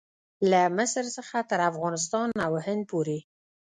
له مصر څخه تر افغانستان او هند پورې.